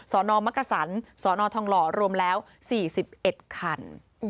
สนมักกษันสนทองหล่อรวมแล้ว๔๑คัน